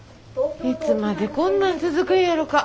いつまでこんなん続くんやろか。